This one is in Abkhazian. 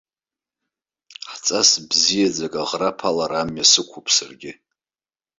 Ҳҵас бзиаӡак аӷраԥалара амҩа сықәуп саргьы.